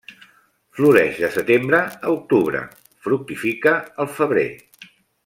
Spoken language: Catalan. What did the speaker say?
Floreix de setembre a octubre; fructifica el febrer.